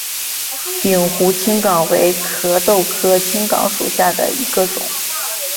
鼎湖青冈为壳斗科青冈属下的一个种。